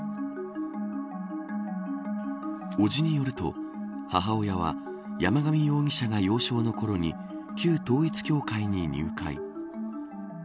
伯父によると母親は山上容疑者が幼少のころに旧統一教会に入会。